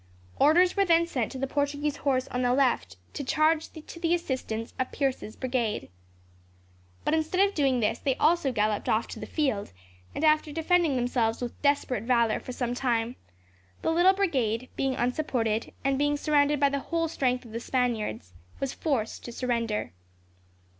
Orders were then sent to the Portuguese horse on the left to charge to the assistance of Pierce's brigade. But instead of doing this, they also galloped off the field, and after defending themselves with desperate valour for some time, the little brigade, being unsupported, and being surrounded by the whole strength of the Spaniards, was forced to surrender.